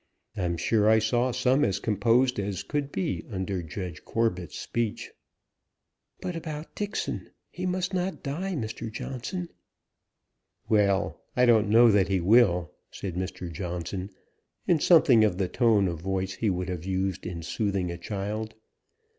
I'm sure I saw some as composed as could be under Judge Corbet's speech." "But about Dixon? He must not die, Mr. Johnson." "Well, I don't know that he will," said Mr. Johnson, in something of the tone of voice he would have used in soothing a child.